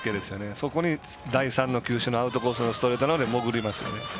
そこに第３の球種のアウトコースのストレートがもぐりますよね。